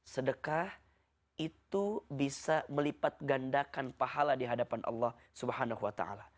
sedekah itu bisa melipat gandakan pahala di hadapan allah swt